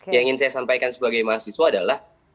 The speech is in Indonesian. yang ingin saya sampaikan sebagai mahasiswa adalah